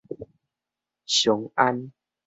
翔安